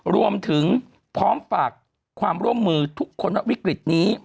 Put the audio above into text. รวมถึงพร้อมฝากความร่วมมือทุกคนว่าวิกฤตนี้